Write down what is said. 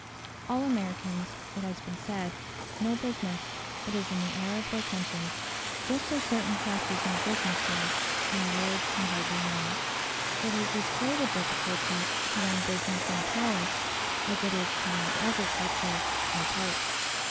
All Americans, it has been said, know business; it is in the air of their country. Just so certain classes know business here; and a lord can hardly know it. It is as great a difficulty to learn business in a palace as it is to learn agriculture in a park.